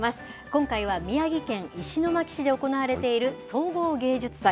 今回は宮城県石巻市で行われている総合芸術祭。